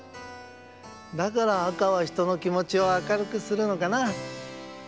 だから赤はひとのきもちを明るくするのかな。